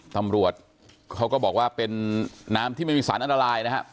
ตำรวจเขาก็บอกว่าเป็นน้ำที่ไม่มีสารอันตรายนะครับ